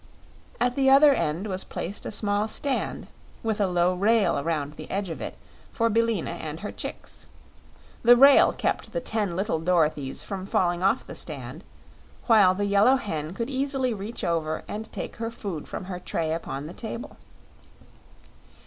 At the other end was placed a small stand, with a low rail around the edge of it, for Billina and her chicks. The rail kept the ten little Dorothys from falling off the stand, while the Yellow Hen could easily reach over and take her food from her tray upon the table.